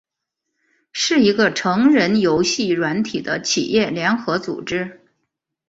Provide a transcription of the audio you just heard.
是一个成人游戏软体的企业联合组织。